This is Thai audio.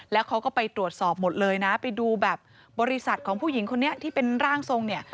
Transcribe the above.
แล้วเขาก็ไปตรวจสอบหมดเลยนะไปดูแบบบริษัทของผู้หญิงคนนี้ที่เป็นร่างทรงเนี่ย